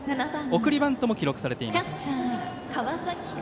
送りバントも記録されています。